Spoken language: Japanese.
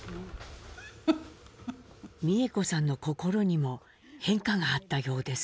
美江子さんの心にも変化があったようです。